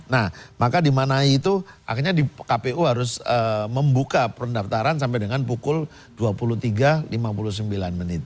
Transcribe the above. nah maka dimana itu akhirnya kpu harus membuka pendaftaran sampai dengan pukul dua puluh tiga lima puluh sembilan menit